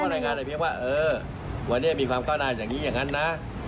เขาก็ได้งานได้เพียงว่าวันนี้มีความก้าวดายอย่างนี้อย่างนั้นนะ